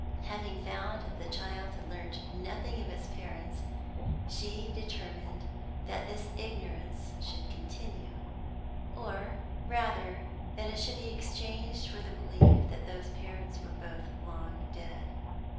Having found that the child had learnt nothing of its parents, she determined that this ignorance should continue; or rather that it should be exchanged for the belief that those parents were both long dead.